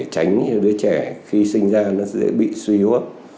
thì đứa trẻ khi sinh ra nó sẽ bị suy yếu